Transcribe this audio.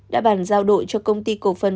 đã bàn giao đội cho công ty cổ phần